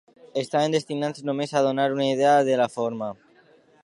Estaven destinats només a donar una idea de la forma.